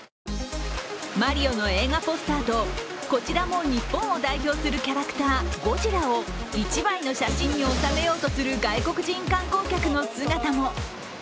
マリオの映画ポスターとこちらも日本を代表するキャラクター・ゴジラを１枚の写真に収めようとする外国人観光客の姿も。